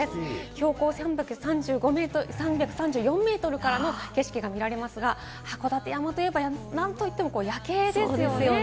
標高３３４ｍからの景色が見られますが、函館山といえば、何といっても夜景ですよね。